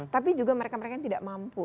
tapi juga mereka mereka yang tidak mampu